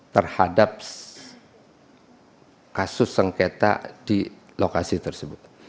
terhadap kasus sengketa di lokasi tersebut